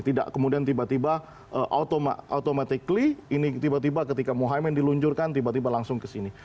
tidak kemudian tiba tiba ketika mohaimin diluncurkan tiba tiba langsung kesini